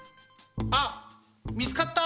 あっみつかった！